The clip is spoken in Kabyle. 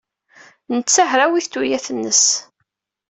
Nettat hrawit tuyat-nnes.